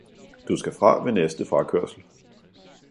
Du skal fra ved næste frakørsel